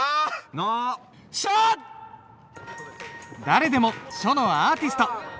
誰でも書のアーティスト。